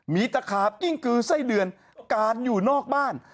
มีตะขาบกิ้งกือไส้เดือนกานอยู่นอกบ้าน